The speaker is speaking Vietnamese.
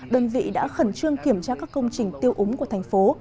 đơn vị đã khẩn trương kiểm tra các công trình tiêu úng của thành phố